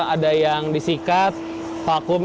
ada yang disikat vakum